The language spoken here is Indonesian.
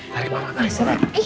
tarik mama tarik